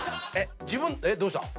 どうしたん？